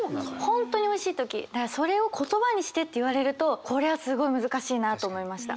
本当においしい時それを言葉にしてって言われるとこれはすごい難しいなと思いました。